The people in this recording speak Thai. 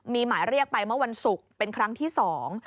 มีหมายเรียกไปเมื่อวันศุกร์เป็นครั้งที่สอง